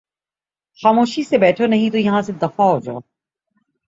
خاموشی سے بیٹھو نہیں تو یہاں سے دفعہ ہو جاؤ